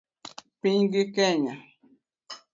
Pinygi Kenya